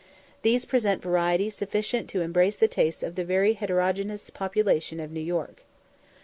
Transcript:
These present variety sufficient to embrace the tastes of the very heterogeneous population of New York.